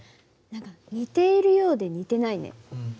何か似ているようで似てないね。